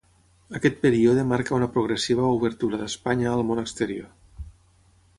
Aquest període marca una progressiva obertura d'Espanya al món exterior.